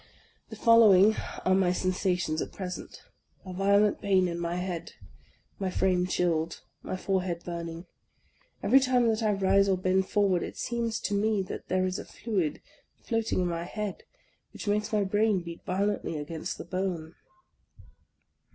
The following are my sensations at present: a violent pain in my head, my frame chilled, my forehead burning. Every time that I rise, or bend forward, it seems to me that there is a fluid floating in my head, which makes my brain beat violently against the bone.